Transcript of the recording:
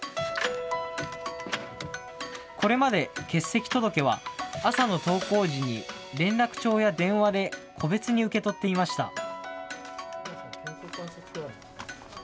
これまで、欠席届は朝の登校時に連絡帳や電話で個別に受け取っていました。